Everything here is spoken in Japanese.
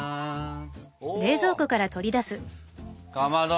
おかまど。